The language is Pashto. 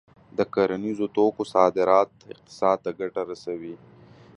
د کرنیزو توکو صادرات اقتصاد ته ګټه رسوي.